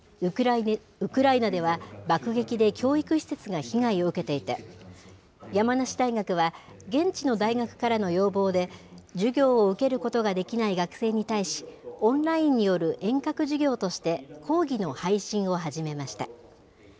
ウクライナでは、爆撃で教育施設が被害を受けていて、山梨大学は、現地の大学からの要望で、授業を受けることができない学生に対し、オンラインによる遠隔授業として、講義の配信を始めました。